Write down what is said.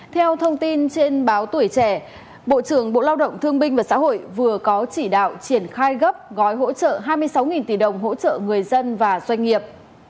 theo thông tin trên báo tuổi trẻ bộ trưởng bộ lao động thương binh và xã hội vừa có chỉ đạo triển khai gấp gói hỗ trợ hai mươi sáu tỷ đồng hỗ trợ người dân và doanh nghiệp